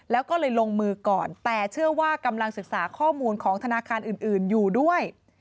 แล้วก็เลยลงมือก่อนแต่เชื่อว่ากำลังศึกษาข้อมูลของธนาคารอื่นอยู่ด้วย